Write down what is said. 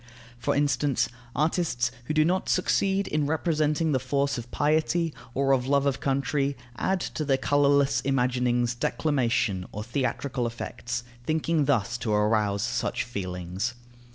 For instance, artists who do not succeed in representing the force of piety or of love of country, add to their colourless imaginings declamation or theatrical effects, thinking thus to arouse such feelings.